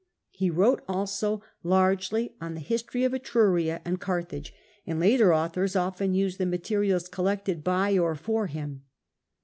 He wrote also largely on the history of Etruria and Carthage, and later authors often used the materials collected by or for him.